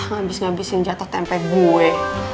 habis ngabisin jatah tempe gue